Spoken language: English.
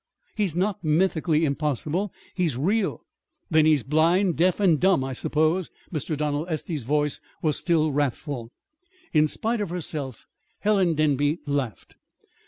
"He's not mythically impossible. He's real." "Then he's blind, deaf, and dumb, I suppose!" Mr. Donald Estey's voice was still wrathful. In spite of herself Helen Denby laughed.